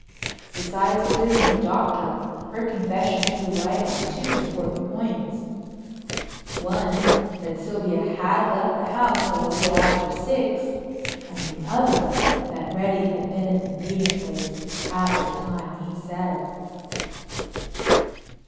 Besides clearing the Doctor her confession threw light on two important points—one that Sylvia had left the house at a little after six, and the other that Reddy had been at the meeting place at the time he said.